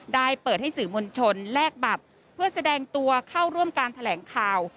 ได้เปิดให้สื่อมวลชนแลกบัตรเพื่อแสดงตัวเข้าร่วมการแถลงข่าว